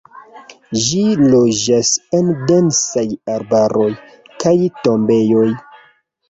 Ĝi loĝas en densaj arbaroj, kaj tombejoj.